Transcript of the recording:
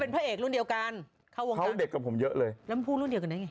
พระเอกรุ่นเดียวกันเข้าวงเขาเด็กกับผมเยอะเลยแล้วมันพูดรุ่นเดียวกันได้ไง